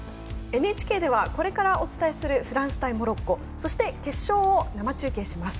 ＮＨＫではこれからお伝えするフランス対モロッコそして、決勝を生中継します。